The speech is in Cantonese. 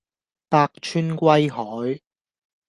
百川歸海